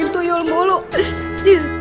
kita tuh mau usah usah yuk ayo